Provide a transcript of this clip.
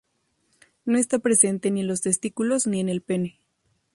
No está presente ni en los testículos ni en el pene.